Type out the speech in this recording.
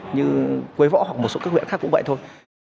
như quế võ hoặc một số các huyện khác cũng vậy thôi